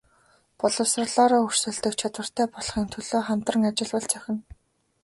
Боловсролоороо өрсөлдөх чадвартай болгохын төлөө хамтран ажиллавал зохино.